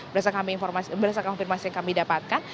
berdasarkan konfirmasi yang kami dapatkan